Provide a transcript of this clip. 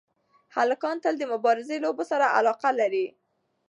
هلکان تل د مبارزې لوبو سره علاقه لري.